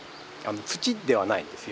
土ではないんですよ。